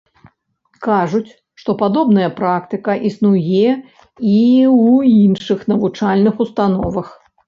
Кажуць, што падобная практыка існуе і ў іншых навучальных установах.